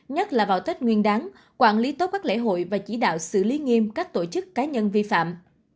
nhất là vào tết nguyên đáng quản lý tốt các lễ hội và chỉ đạo xử lý nghiêm các tổ chức cá nhân vi phạm